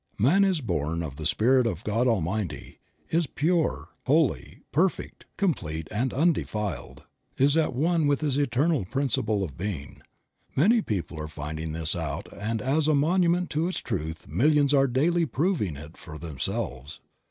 Man is born of the Spirit of God Almighty, is pure, holy, perfect, complete and undefiled; is at one with his eternal principle of being. Many people are finding this out and as a monument to its truth millions are daily proving it for themselves.